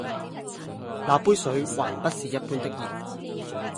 那杯水還不是一般的熱